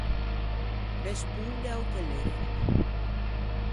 Responde a-o telefono.